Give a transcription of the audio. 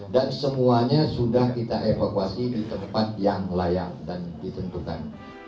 dan semuanya sudah kita evakuasi di tempat yang layak dan ditentukan